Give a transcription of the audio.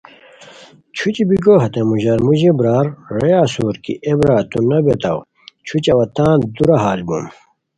چھوچھی بیکو ہتے موژار موژی برار رے اسور کی اے برار تو نوبیتاؤ چھوچھی اوا تان دورا ہال بوم